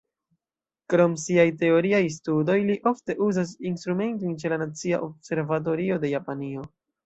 Krom siaj teoriaj studoj, li ofte uzas instrumentojn ĉe la Nacia Observatorio de Japanio.